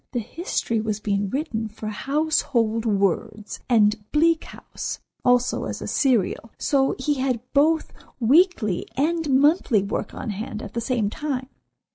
The history was being written for 'Household Words,' and 'Bleak House' also as a serial, so he had both weekly and monthly work on hand at the same time."